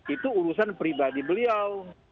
itu urusan pribadi beliau